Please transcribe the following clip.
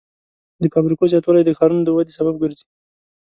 د فابریکو زیاتوالی د ښارونو د ودې سبب ګرځي.